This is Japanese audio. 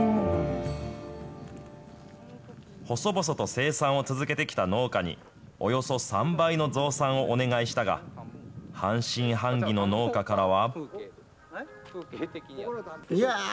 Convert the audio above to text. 細々と生産を続けてきた農家に、およそ３倍の増産をお願いしたが、半信半疑の農家からは。